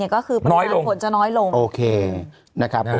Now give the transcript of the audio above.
ก็คือปริมาณฝนจะน้อยลงโอเคนะครับ